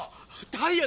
ダイヤ！